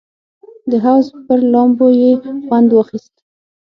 د حوض پر لامبو یې خوند واخیست.